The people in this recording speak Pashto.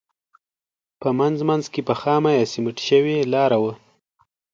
په منځ منځ کې به خامه یا سمنټ شوې لاره وه.